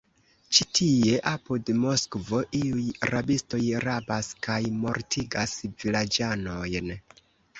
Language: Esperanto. Ĉi tie, apud Moskvo, iuj rabistoj rabas kaj mortigas vilaĝanojn!